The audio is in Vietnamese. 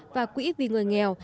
và quý vì người nghèo